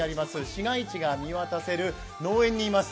市街地が見渡せる農園にいます。